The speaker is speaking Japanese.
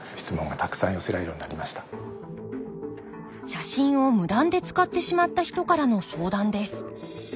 写真を無断で使ってしまった人からの相談です。